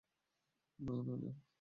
না, নানা জান।